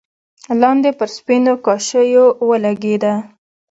لاندې پر سپينو کاشيو ولګېده.